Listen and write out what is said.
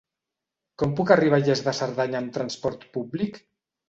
Com puc arribar a Lles de Cerdanya amb trasport públic?